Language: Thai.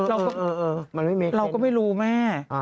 เออมันไม่เมสเส้นเราก็ไม่รู้แม่